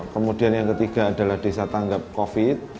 kemudian yang ketiga adalah desa tanggap covid